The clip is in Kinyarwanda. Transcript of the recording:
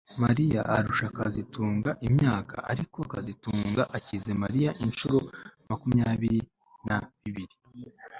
Mariya arusha kazitunga imyaka ariko kazitunga akize Mariya inshuro makumyabiri na bibiri